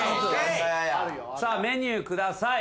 さあメニュー下さい。